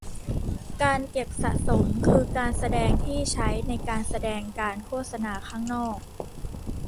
การเก็บสะสมคือการแสดงที่ใช้ในการแสดงการโฆษณาข้างนอก